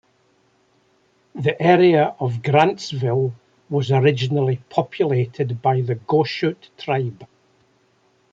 The area of Grantsville was originally populated by the Goshute tribe.